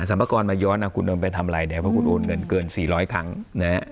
สรรพากรมาย้อนอ่ะคุณต้องไปทำอะไรเนี่ยเพราะคุณโอนเงินเกินสี่ร้อยครั้งน่ะ